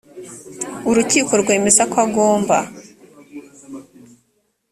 urukiko rwemeza ko agomba